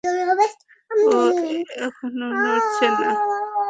ও এখনো নড়ছে না।